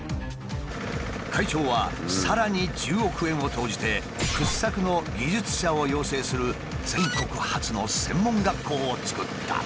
会長はさらに１０億円を投じて掘削の技術者を養成する全国初の専門学校を作った。